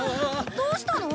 どうしたの？